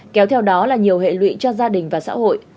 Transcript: kéo theo đó là nhiều hệ lụy cho gia đình và xã hội